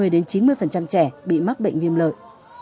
sáu mươi đến chín mươi trẻ bị mắc bệnh viêm lợi